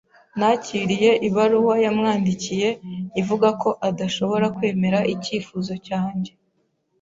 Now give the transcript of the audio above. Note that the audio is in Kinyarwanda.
Nakiriye ibaruwa yamwandikiye ivuga ko adashobora kwemera icyifuzo cyanjye.